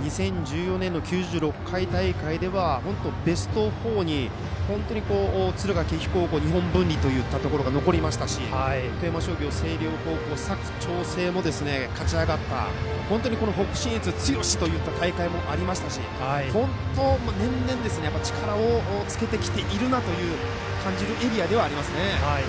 ２０１４年の９６回大会ではベスト４に敦賀気比高校日本文理といったところが残りましたし富山商業、星稜高校佐久長聖も勝ち上がった、北信越強しという大会もありましたし、本当に年々、力をつけてきているなと感じるエリアですね。